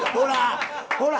ほら！